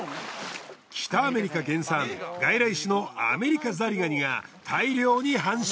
北アメリカ原産外来種のアメリカザリガニが大量に繁殖。